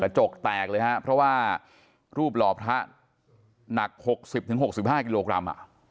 กระจกแตกเลยฮะเพราะว่ารูปหล่อพระหนักหกสิบถึงหกสิบห้ากิโลกรัมอ่ะ